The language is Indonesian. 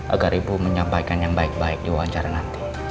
agar ibu menyampaikan yang baik baik di wawancara nanti